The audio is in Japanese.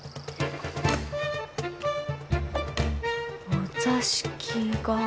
お座敷が。